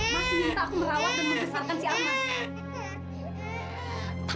mas minta aku merawat dan membesarkan si amar